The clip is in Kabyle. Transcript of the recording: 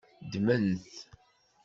Ddmen-t.